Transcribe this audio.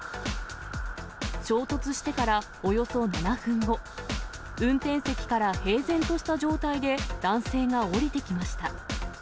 衝突してからおよそ７分後、運転席から平然とした状態で、男性が降りてきました。